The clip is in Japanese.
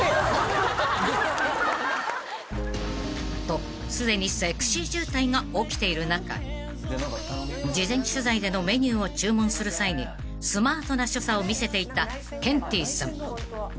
［とすでにセクシー渋滞が起きている中事前取材でのメニューを注文する際にスマートな所作を見せていたケンティーさん］